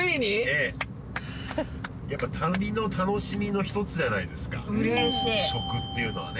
ええやっぱ旅の楽しみの一つじゃないですか嬉しい食っていうのはね